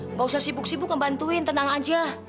nggak usah sibuk sibuk ngebantuin tenang aja